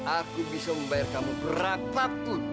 aku bisa membayar kamu berapapun